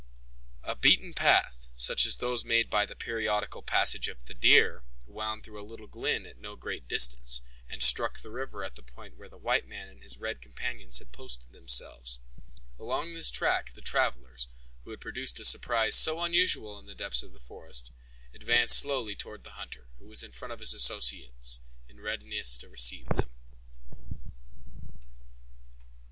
A beaten path, such as those made by the periodical passage of the deer, wound through a little glen at no great distance, and struck the river at the point where the white man and his red companions had posted themselves. Along this track the travelers, who had produced a surprise so unusual in the depths of the forest, advanced slowly toward the hunter, who was in front of his associates, in readiness to receive them.